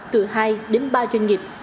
từ hai đến ba doanh nghiệp